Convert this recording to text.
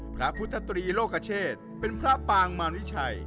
พระพุทธตรีโลกเชษเป็นพระปางมาริชัย